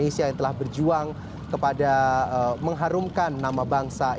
selamat pagi mas